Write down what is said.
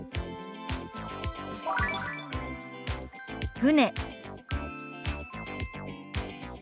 「船」。